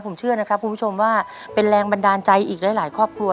ผมเชื่อนะครับคุณผู้ชมว่าเป็นแรงบันดาลใจอีกหลายครอบครัว